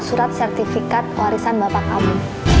surat sertifikat warisan bapak kamu